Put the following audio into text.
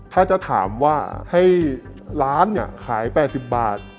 ถ้าจะถามว่าให้ร้านเนี่ยขาย๘๐บาท